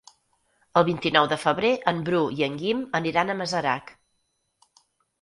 El vint-i-nou de febrer en Bru i en Guim aniran a Masarac.